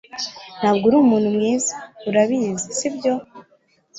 Ntabwo uri umuntu mwiza. Urabizi, sibyo?